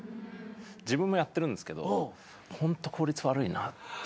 自分もやってるんですけどホント効率悪いなって。らしいな。